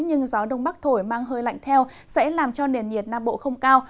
nhưng gió đông bắc thổi mang hơi lạnh theo sẽ làm cho nền nhiệt nam bộ không cao